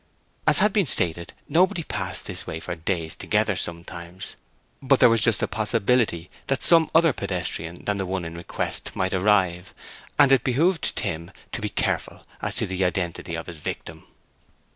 As has been stated, nobody passed this way for days together sometimes; but there was just a possibility that some other pedestrian than the one in request might arrive, and it behooved Tim to be careful as to the identity of his victim.